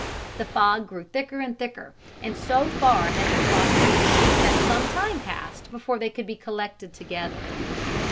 The fog grew thicker and thicker; and so far had the flock rambled, that some time passed before they could be collected together.